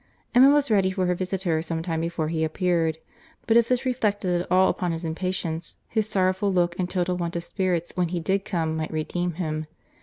Emma was ready for her visitor some time before he appeared; but if this reflected at all upon his impatience, his sorrowful look and total want of spirits when he did come might redeem him.